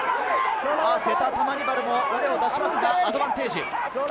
セタ・タマニバルも声を出しますが、アドバンテージ。